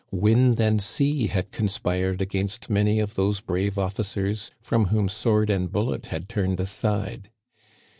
Wind and sea had con spired against many of those brave officers from whom sword and bullet had turned aside.